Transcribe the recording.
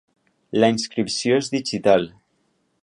La inscripció és digital.